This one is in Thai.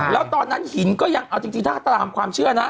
แล้วตอนนั้นหินก็ยังเอาจริงถ้าตามความเชื่อนะ